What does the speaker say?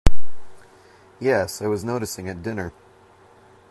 Yes, I was noticing at dinner.